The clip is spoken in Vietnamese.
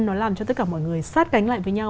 nó làm cho tất cả mọi người sát cánh lại với nhau